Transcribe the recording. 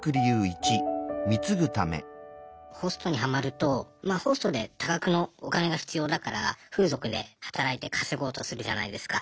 ホストにハマるとまあホストで多額のお金が必要だから風俗で働いて稼ごうとするじゃないですか。